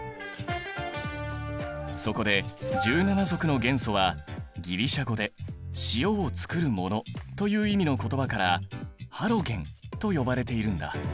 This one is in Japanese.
そこで１７族の元素はギリシャ語で「塩をつくるもの」という意味の言葉からハロゲンと呼ばれているんだ。